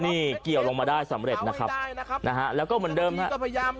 นี่เกี่ยวลงมาได้สำเร็จนะครับนะฮะแล้วก็เหมือนเดิมนะฮะ